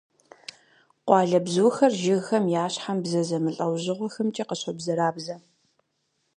Къуалэбзухэр жыгхэм я щхьэм бзэ зэмылӀэужьыгъуэхэмкӀэ къыщобзэрабзэ.